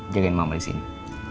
jagain mama di sini